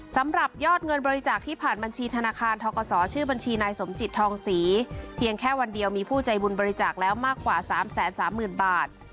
สำหรับยอดเงินบริจาคที่ผ่านบัญชีธนาคารทกศชื่อบัญชีนายสมจิตทองศรีเพียงแค่วันเดียวมีผู้ใจบุญบริจาคแล้วมากกว่า๓๓๐๐๐บาท